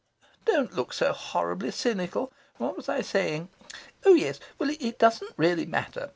Don't look so horribly cynical... What was I saying? Oh yes; well, it doesn't really matter.